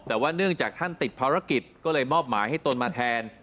แต่ว่าเนื่องจากท่านติดภารกิจก็เลยมอบหมายให้ตนมาแทน